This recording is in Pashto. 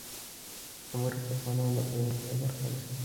زمرد د افغانانو د ګټورتیا برخه ده.